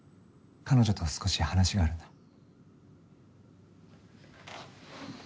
彼女と少し話があるんだ。